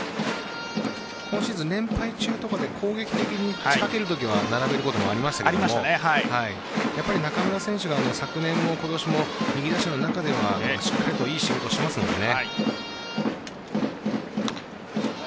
今シーズン連敗中で攻撃的に仕掛けるときは並べることもありましたが中村選手が昨年も今年も右打者の中ではしっかりといい仕事をしましたよね。